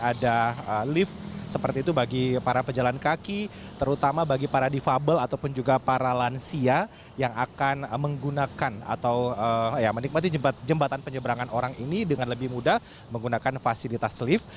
ada lift seperti itu bagi para pejalan kaki terutama bagi para defable ataupun juga para lansia yang akan menggunakan atau menikmati jembatan penyeberangan orang ini dengan lebih mudah menggunakan fasilitas lift